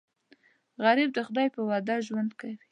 غریب د خدای په وعده ژوند کوي